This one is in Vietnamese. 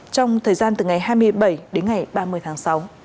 trong thời gian từ ngày hai mươi bảy đến ngày ba mươi tháng sáu